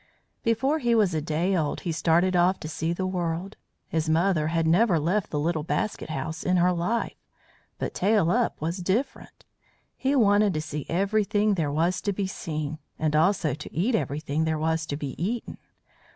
Before he was a day old he started off to see the world. His mother had never left the little basket house in her life, but Tail up was different. He wanted to see everything there was to be seen, and also to eat everything there was to be eaten.